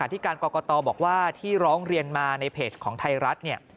ที่การกรกตบอกว่าที่ร้องเรียนมาในเพจของไทยรัฐเนี่ย